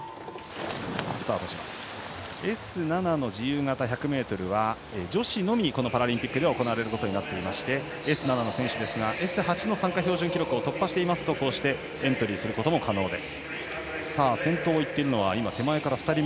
Ｓ７の自由形１００ｍは女子のみ、パラリンピックでは行われることになっていましてＳ７の選手はＳ８の参加標準記録を突破していますと、こうしてエントリーすることも可能です。